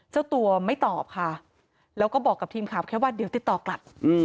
เจ้าตัวไม่ตอบค่ะแล้วก็บอกกับทีมข่าวแค่ว่าเดี๋ยวติดต่อกลับ